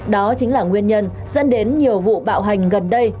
đó chính là nguyên nhân dẫn đến nhiều vụ bạo hành gần đây